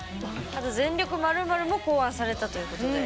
あと「全力〇〇」も考案されたということで。